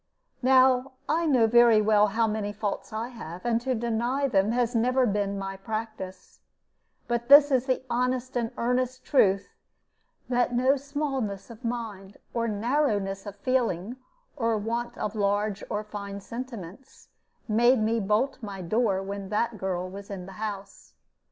Now I know very well how many faults I have, and to deny them has never been my practice; but this is the honest and earnest truth, that no smallness of mind, or narrowness of feeling, or want of large or fine sentiments made me bolt my door when that girl was in the house.